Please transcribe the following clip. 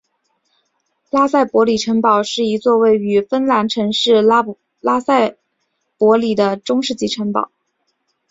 拉塞博里城堡是一座位于芬兰城市拉塞博里的中世纪城堡。